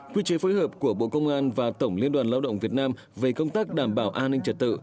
quy chế phối hợp của bộ công an và tổng liên đoàn lao động việt nam về công tác đảm bảo an ninh trật tự